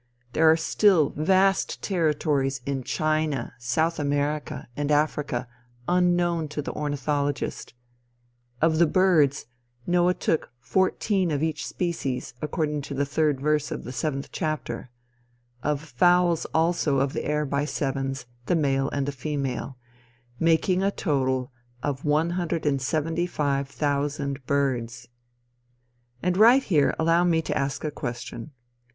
There are still vast territories in China, South America, and Africa unknown to the ornithologist. Of the birds, Noah took fourteen of each species, according to the 3d verse of the 7th chapter, "Of fowls also of the air by sevens, the male and the female," making a total of 175,000 birds. And right here allow me to ask a question.